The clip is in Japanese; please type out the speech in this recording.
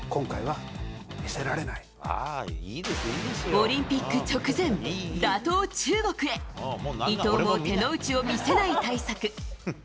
オリンピック直前打倒・中国へ伊藤も手の内を見せない対策。